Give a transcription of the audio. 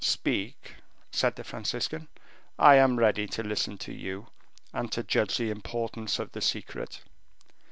"Speak," said the Franciscan; "I am ready to listen to you, and to judge the importance of the secret."